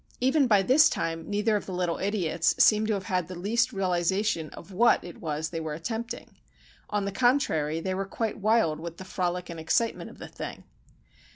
Even by this time neither of the little idiots seems to have had the least realisation of what it was they were attempting. On the contrary, they were quite wild with the frolic and excitement of the thing.